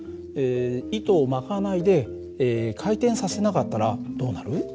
糸を巻かないで回転させなかったらどうなる？